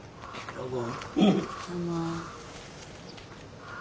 どうも。